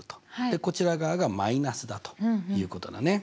でこちら側がマイナスだということだね。